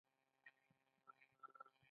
او ده خپله مور په غېږ کې ټینګه ونیوله.